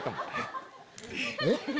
えっ？